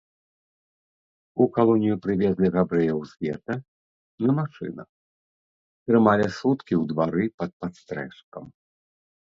У калонію прывезлі габрэяў з гета на машынах, трымалі суткі ў двары пад падстрэшкам.